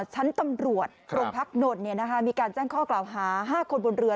ชั้นตำรวจโรงพักนนทมีการแจ้งข้อกล่าวหา๕คนบนเรือ